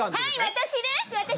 私です。